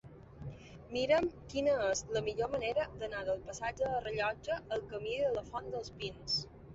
Mira'm quina és la millor manera d'anar del passatge del Rellotge al camí de la Font dels Pins.